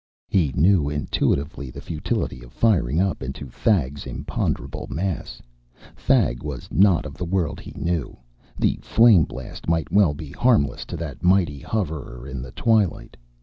He knew intuitively the futility of firing up into Thag's imponderable mass. Thag was not of the world he knew; the flame blast might well be harmless to that mighty hoverer in the twilight.